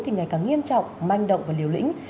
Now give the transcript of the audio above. thì ngày càng nghiêm trọng manh động và liều lĩnh